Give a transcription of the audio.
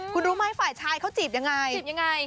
คุณรู้ไหมฝ่ายชายเขาจีบยังไง